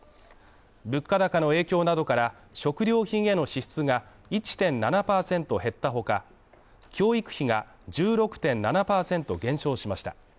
物価高の影響などから、食料品への支出が１．７％減った他、教育費が１６．７％減少しました。